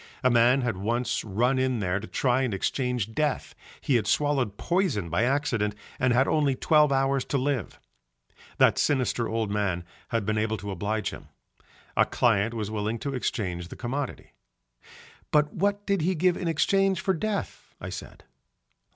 A man had once run in there to try and exchange death, he had swallowed poison by accident and had only twelve hours to live. That sinister old man had been able to oblige him. A client was willing to exchange the commodity. "But what did he give in exchange for death?" I said.